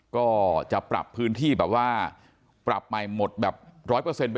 ก็จะปรับพื้นที่แบบว่าปรับไปหมดแบบ๑๐๐ไปเลยอ่ะ